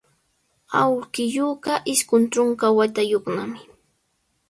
Awkilluuqa isqun trunka watayuqnami.